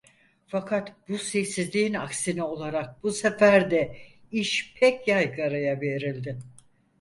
Fakat bu sessizliğin aksine olarak bu sefer de iş pek yaygaraya verildi.